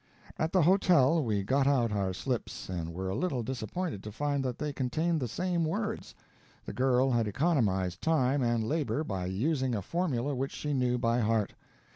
At the hotel we got out our slips and were a little disappointed to find that they contained the same words. The girl had economized time and labor by using a formula which she knew by heart.